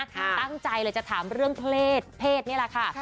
ตั้งใจเลยจะถามเรื่องเพศเพศนี่แหละค่ะ